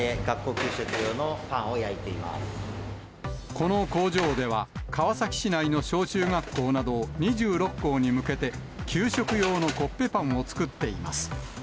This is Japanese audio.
この工場では、川崎市内の小中学校など２６校に向けて、給食用のコッペパンを作っています。